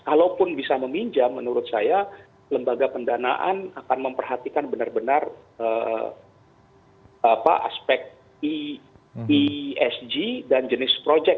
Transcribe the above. kalaupun bisa meminjam menurut saya lembaga pendanaan akan memperhatikan benar benar aspek esg dan jenis proyek